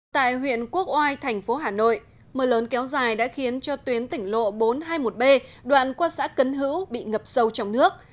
tại huyện quốc oai thành phố hà nội mưa lớn kéo dài đã khiến cho tuyến tỉnh lộ bốn trăm hai mươi một b đoạn qua xã cấn hữu bị ngập sâu trong nước